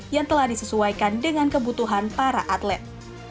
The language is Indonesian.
yang telah disesuaikan dengan kebutuhan para atlet